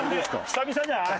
久々じゃない？